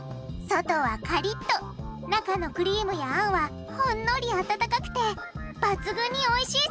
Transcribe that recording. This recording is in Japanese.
外はカリッと中のクリームやあんはほんのり温かくて抜群においしいそうですよ！